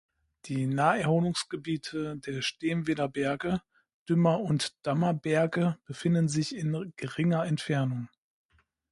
Die Naherholungsgebiete der Stemweder Berge, Dümmer und Dammer Berge befinden sich in geringer Entfernung.